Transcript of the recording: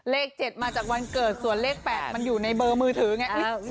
เลข๗มาจากวันเกิดส่วนเลข๘มันอยู่ในเบอร์มือถือไง